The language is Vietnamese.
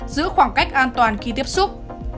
giữ khoảng cách an toàn khi tiếp xúc